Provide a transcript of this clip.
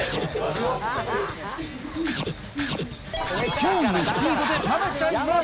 驚異のスピードで食べちゃいます。